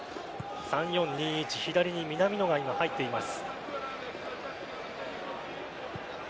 ３−４−２−１左に南野が入っています。